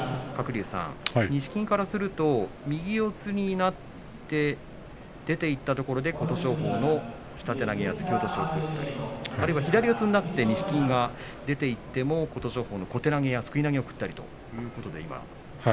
錦木からすると右四つになって出ていったところで琴勝峰の下手投げや突き落としに敗れてあるいは左四つになって錦木が出ていって琴勝峰に小手投げすくい投げを食っています。